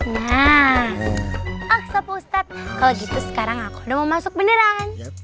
nah ok sopa ustadz kalo gitu sekarang aku udah mau masuk beneran